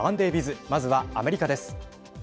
まずは、アメリカです。